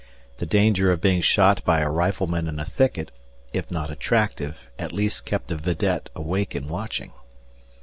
The danger of being shot by a rifleman in a thicket, if not attractive, at least kept a vidette awake and watching.